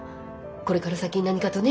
これから先何かとね。